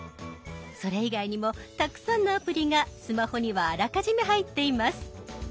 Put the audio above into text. それ以外にもたくさんのアプリがスマホにはあらかじめ入っています。